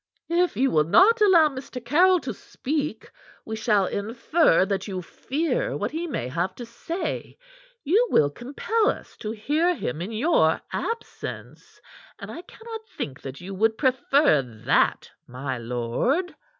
"If you will not allow Mr. Caryll to speak, we shall infer that you fear what he may have to say; you will compel us to hear him in your absence, and I cannot think that you would prefer that, my lord."